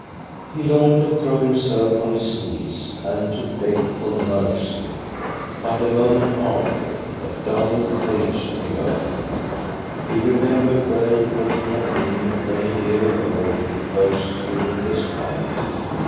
He longed to throw himself on his knees and to beg for mercy. But a moment after, a dull rage came over him. He remembered well what he had been when, a year ago, he first stood in this pulpit.